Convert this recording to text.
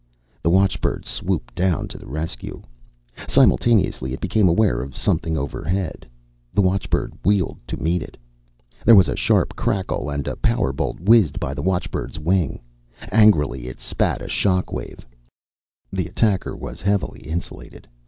The watchbird swooped down to the rescue. Simultaneously, it became aware of something overhead. The watchbird wheeled to meet it. There was a sharp crackle and a power bolt whizzed by the watchbird's wing. Angrily, it spat a shock wave. The attacker was heavily insulated.